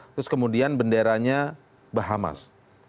terus kemudian benderanya bahamas